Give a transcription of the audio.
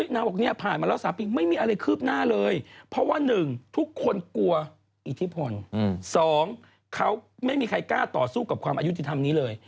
แต่มันทำถ่ายคลิปไว้ให้เมฟเฟิร์คอารมณ์ดู